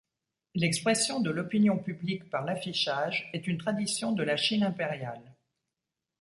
L'expression de l'opinion publique par l'affichage est une tradition de la Chine impériale.